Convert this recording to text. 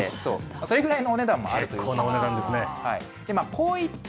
それぐらいのお値段もあるという結構なお値段ですね。